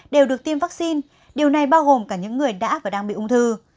đều được tiêm vaccine điều này bao gồm cả những người đã và đang bị ung thư